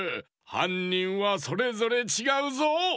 はんにんはそれぞれちがうぞ！